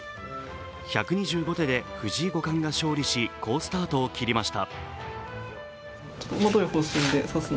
１２５手で藤井五冠が勝利し好スタートを切りました。